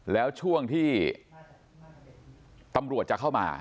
แล้วช่วงที่ตำรวจจะเข้ามา